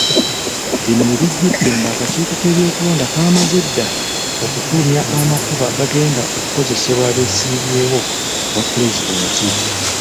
Bino we bijjidde ng'akakiiko k'ebyokulonda kaamaze dda okufulumya amakubo agagenda okukozesebwa abeesimbyewo ku bwapulezidenti.